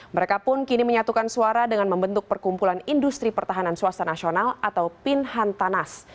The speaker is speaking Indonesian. mereka pun kini menyatukan suara dengan membentuk perkumpulan industri pertahanan swasta nasional atau pinhantanas